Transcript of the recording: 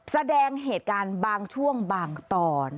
แสดงเหตุการณ์บางช่วงบางตอน